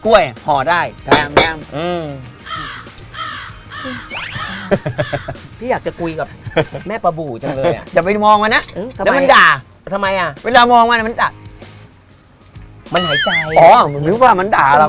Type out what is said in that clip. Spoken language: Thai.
ไม่ได้เฉิงเป็นแป้งโรตีหว่ะ